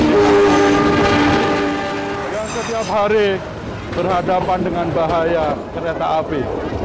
yang setiap hari berhadapan dengan bahaya kereta api